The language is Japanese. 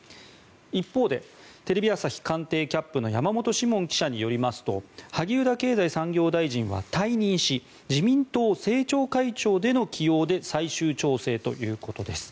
一方でテレビ朝日官邸キャップの山本志門記者によりますと萩生田経済産業大臣は退任し自民党政調会長での起用で最終調整ということです。